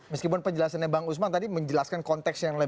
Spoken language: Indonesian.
meskipun penjelasannya bang usman tadi menjelaskan konteks yang lain